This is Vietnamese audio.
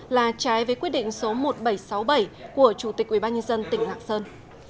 là trái với quyết định số một nghìn bảy trăm sáu mươi bảy của chủ tịch ủy ban nhân dân tỉnh lạng sơn